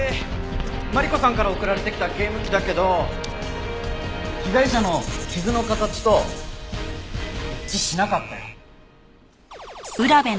マリコさんから送られてきたゲーム機だけど被害者の傷の形と一致しなかったよ。